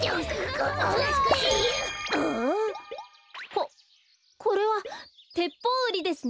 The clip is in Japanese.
おっこれはテッポウウリですね。